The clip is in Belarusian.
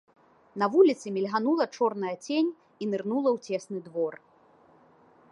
На вуліцы мільганула чорная цень і нырнула ў цесны двор.